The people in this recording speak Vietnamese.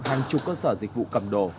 hàng chục cơ sở dịch vụ cầm đồ